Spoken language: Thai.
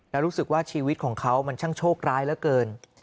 แล้วรู้สึกว่าชีวิตของเขามันช่างโชคร้ายเหลือเกิน